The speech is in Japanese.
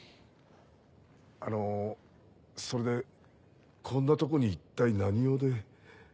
あのそれでこんなとこに一体何用で？